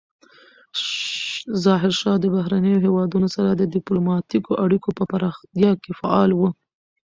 ظاهرشاه د بهرنیو هیوادونو سره د ډیپلوماتیکو اړیکو په پراختیا کې فعال و.